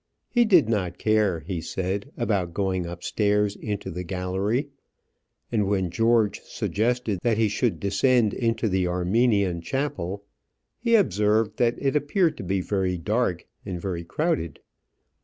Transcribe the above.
He did not care, he said, about going upstairs into the gallery; and when George suggested that he should descend into the Armenian chapel, he observed that it appeared to be very dark and very crowded.